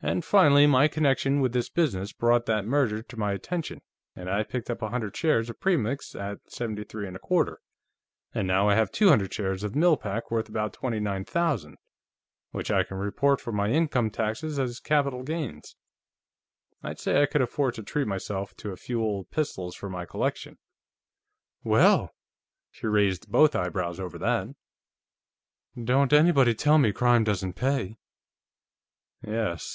And, finally, my connection with this business brought that merger to my attention, and I picked up a hundred shares of Premix at 73 1/4, and now I have two hundred shares of Mill Pack, worth about twenty nine thousand, which I can report for my income tax as capital gains. I'd say I could afford to treat myself to a few old pistols for my collection." "Well!" She raised both eyebrows over that. "Don't anybody tell me crime doesn't pay." "Yes.